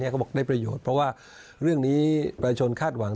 เขาบอกได้ประโยชน์เพราะว่าเรื่องนี้ประชาชนคาดหวัง